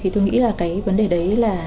thì tôi nghĩ là cái vấn đề đấy là